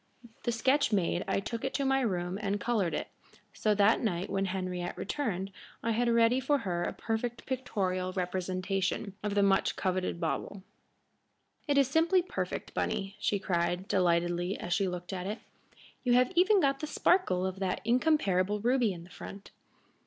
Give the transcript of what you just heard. The sketch made, I took it to my room and colored it, so that that night, when Henriette returned, I had ready for her a perfect pictorial representation of the much coveted bauble. "It is simply perfect, Bunny," she cried, delightedly, as she looked at it. "You have even got the sparkle of that incomparable ruby in the front."